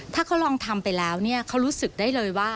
ถ้าทำลายไปแล้วเรารู้สึกได้หว่า